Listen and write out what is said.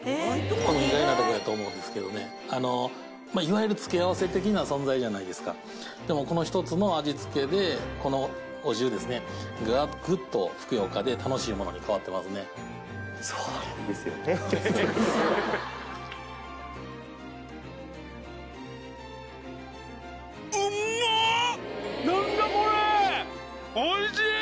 多分意外なとこやと思うんですけどねいわゆる付け合わせ的な存在じゃないですかでもこの１つの味付けでこのお重ですねがグッとふくよかで楽しいものに変わってますねえっ？